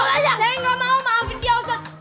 saya gak mau maafin dia ustadz